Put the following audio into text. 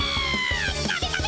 ダメダメ！